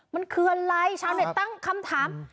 มันคืออะไรชาวเน็ตตั้งคำถาม